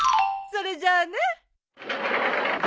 それじゃあね。